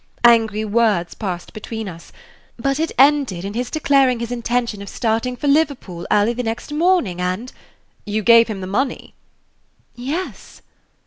Angry words passed between us; but it ended in his declaring his intention of starting for Liverpool early the next morning, and " "You gave him the money?" "Yes."